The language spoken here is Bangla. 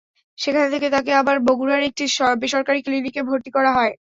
সেখান থেকে তাঁকে আবার বগুড়ার একটি বেসরকারি ক্লিনিকে ভর্তি করা হয়।